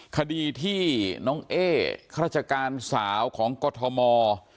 คดีที่น้องเอ้ฆาตการสาวของกฎธมอร์